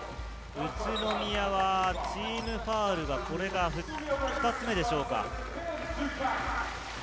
宇都宮はチームファウルがこれで２つ目でしょうか。